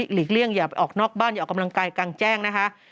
กี่ยงอย่าไปออกนอกบ้านอย่าออกกำลังกายกลางแจ้งนะคะ